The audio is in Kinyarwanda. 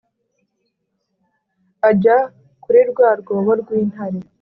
ajya kuri rwa rwobo rw’intare